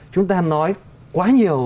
chúng ta nói quá nhiều